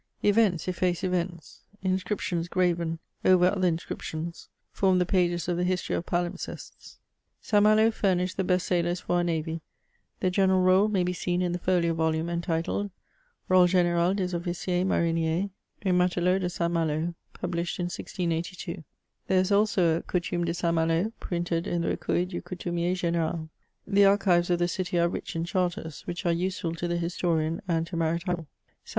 Events efface events; inscriptions graven over other inscriptions form the pages of the History of Palimpsestes. St. Malo furnished the best sailors for our Navy ; the general roll may be seen in the folio volume, entitled, " Role General des Officiers, Mariniers et Matelots de VOL. I. F 66 MEMOIRS OF Saint Malo/' published in 1682. There is also a " Coutume de Saint Malo," printed in the " Recueil du Coutumier G^n^ral." The archives of the city are rich in charters, which are useful to the historian and to maritime law. St.